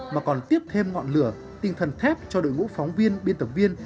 mà còn tiếp thêm ngọn lửa tinh thần thép cho đội ngũ phóng viên biên tập viên